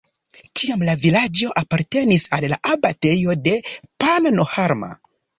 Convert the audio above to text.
Tiam la vilaĝo apartenis al abatejo de Pannonhalma.